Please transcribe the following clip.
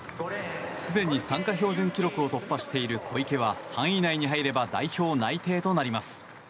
すでに参加標準記録を突破している小池は３位以内に入れば代表内定となります。